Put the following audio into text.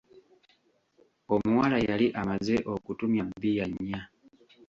Omuwala yali amaze okutumya bbiya nnya.